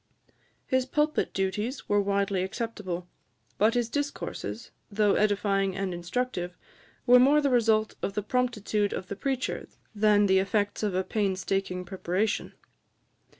His pulpit duties were widely acceptable; but his discourses, though edifying and instructive, were more the result of the promptitude of the preacher than the effects of a painstaking preparation.